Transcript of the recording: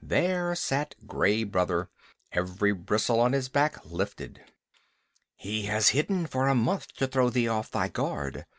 There sat Gray Brother, every bristle on his back lifted. "He has hidden for a month to throw thee off thy guard.